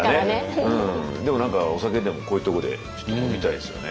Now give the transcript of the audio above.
でも何かお酒でもこういうところで飲みたいですよね。